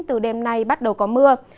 từ đêm nay bắt đầu có mưa